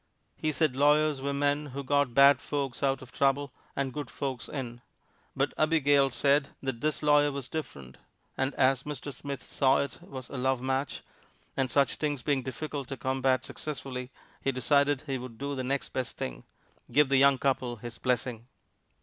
He said lawyers were men who got bad folks out of trouble and good folks in. But Abigail said that this lawyer was different; and as Mr. Smith saw it was a love match, and such things being difficult to combat successfully, he decided he would do the next best thing give the young couple his blessing.